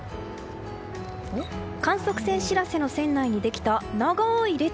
観測船「しらせ」の船内にできた長い列。